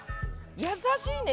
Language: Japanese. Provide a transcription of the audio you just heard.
優しいね。